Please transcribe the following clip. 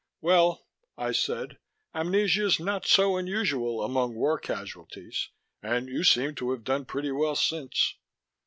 "Well," I said, "amnesia's not so unusual among war casualties, and you seem to have done pretty well since."